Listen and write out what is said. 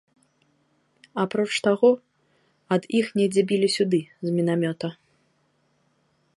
Апроч таго, ад іх недзе білі сюды з мінамёта.